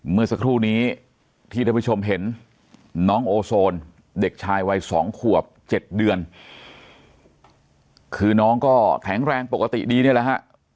เมื่อสักครู่นี้ที่ท่านผู้ชมเห็นน้องโอโซนเด็กชายวัย๒ขวบ๗เดือนคือน้องก็แข็งแรงปกติดีนี่แหละฮะ